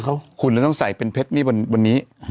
เห็นหน้าน้องตีดีนะ